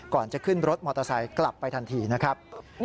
ก่อนจะขึ้นรถมอเตอร์ไซค์กลับไปทันทีนะครับ